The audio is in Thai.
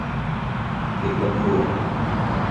ติดลบรวม